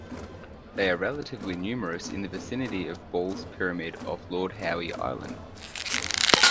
They are relatively numerous in the vicinity of Balls Pyramid off Lord Howe Island.